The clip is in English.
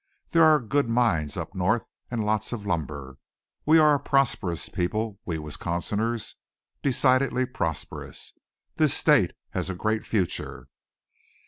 There are good mines up north and lots of lumber. We are a prosperous people, we Wisconsiners, decidedly prosperous. This state has a great future."